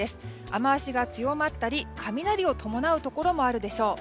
雨脚が強まったり雷を伴うところもあるでしょう。